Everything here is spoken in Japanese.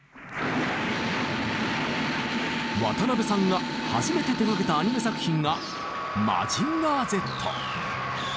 渡辺さんが初めて手がけたアニメ作品が「マジンガーＺ」。